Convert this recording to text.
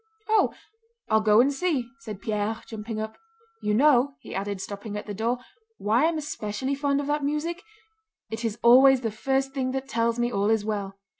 "Oh, I'll go and see," said Pierre, jumping up. "You know," he added, stopping at the door, "why I'm especially fond of that music? It is always the first thing that tells me all is well.